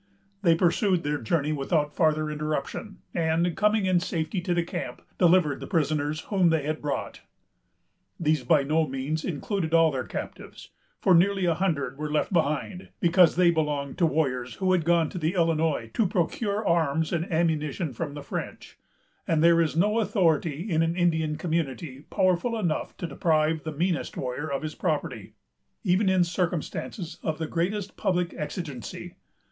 They pursued their journey without farther interruption, and, coming in safety to the camp, delivered the prisoners whom they had brought. These by no means included all of their captives, for nearly a hundred were left behind, because they belonged to warriors who had gone to the Illinois to procure arms and ammunition from the French; and there is no authority in an Indian community powerful enough to deprive the meanest warrior of his property, even in circumstances of the greatest public exigency.